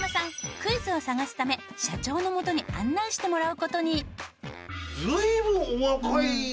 クイズを探すため社長の元に案内してもらう事に。